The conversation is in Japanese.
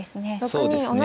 そうですね。